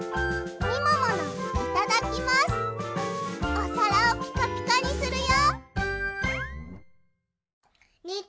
おさらをピカピカにするよ。